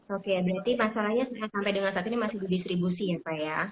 oke berarti masalahnya sampai dengan saat ini masih berdistribusi ya pak ya